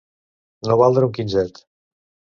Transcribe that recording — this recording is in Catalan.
No valdre un quinzet.